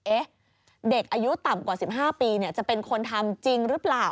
เด็กอายุต่ำกว่า๑๕ปีจะเป็นคนทำจริงหรือเปล่า